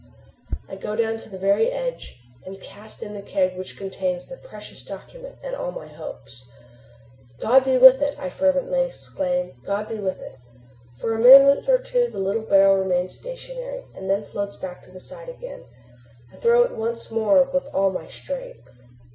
I go down to the very edge, and cast in the keg which contains the precious document and all my hopes. "God be with it!" I fervently exclaim. "God be with it!" For a minute or two the little barrel remains stationary, and then floats back to the side again. I throw it out once more with all my strength.